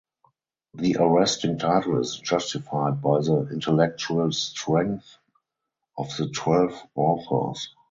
The arresting title is justified by the intellectual strength of the twelve authors.